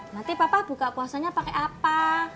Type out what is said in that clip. nanti papa buka puasanya pakai apa